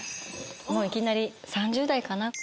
もういきなり３０代かな。